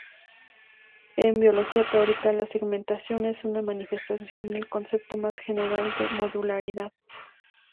En biología teórica, la segmentación es una manifestación del concepto más general de modularidad.